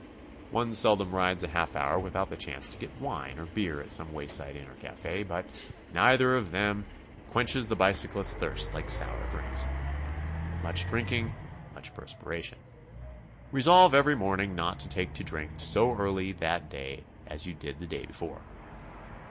One seldom rides a half hour without the chance to get wine or beer at some wayside inn or cafe, but neither of them BICYCLE TOURING. 121 quenches the bicyclist's thirst like sour drinks. Much drink ing , much perspiration. Resolve every morning not to take to drink so early that day as you did the day before.